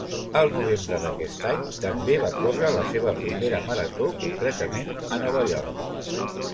Al novembre d'aquest any també va córrer la seva primera marató, concretament a Nova York.